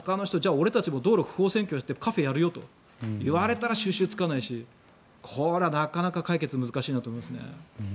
俺たちも道路を不法占拠してカフェやるよと言われたら収拾がつかないしこれはなかなか解決が難しいなと思いますね。